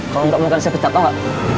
kalau gak mau kan saya pecat tau gak